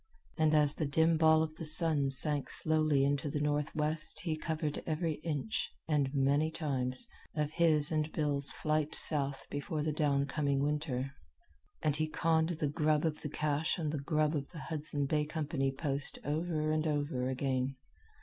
And as the dim ball of the sun sank slowly into the northwest he covered every inch and many times of his and Bill's flight south before the downcoming winter. And he conned the grub of the cache and the grub of the Hudson Bay Company post over and over again.